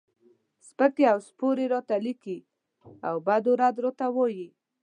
سپکې او سپورې راته لیکي او بد و رد راته وایي.